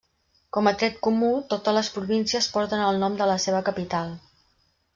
Com a tret comú, totes les províncies porten el nom de la seva capital.